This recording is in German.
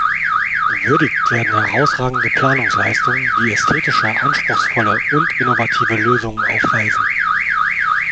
Gewürdigt werden herausragende Planungsleistungen, die ästhetisch anspruchsvolle und innovative Lösungen aufweisen.